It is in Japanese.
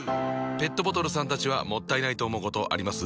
ペットボトルさんたちはもったいないと思うことあります？